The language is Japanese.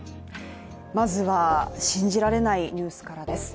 まずは信じられないニュースからです。